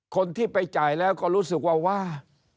คนที่ไปจ่ายแล้วก็รู้สึกว่าว่า